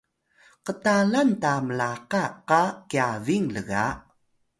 ktalan ta mlaka qa kyabil lga